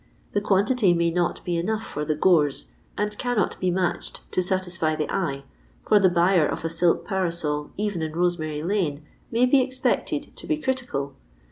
The quantity nmy sot be enough for the gores, and cannot be matched to satisfy the eye, for the buyer of a silk parasol even in Kosemary lane may be expected to be critical.